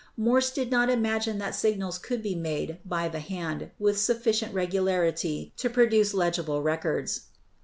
Morse did not imagine that signals could be made by the hand with sufficient regular ity to produce legible records.